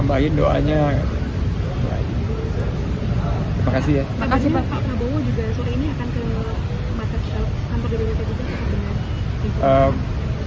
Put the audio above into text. makanya pak nabowo juga sore ini akan ke mata ketua kampung bppb